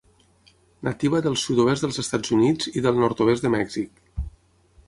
Nativa del sud-oest dels Estats Units i del nord-oest de Mèxic.